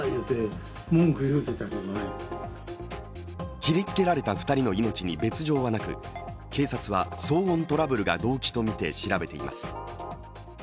切り付けられた２人の命に別状はなく警察は騒音トラブルが動機とみて調べています